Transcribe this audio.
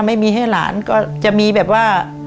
ไม่มีให้หลานก็จะมีแบบว่า